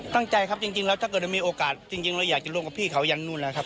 ตั้งใจครับจริงแล้วถ้าเกิดมีโอกาสจริงเราอยากจะร่วมกับพี่เขายันนู่นนะครับ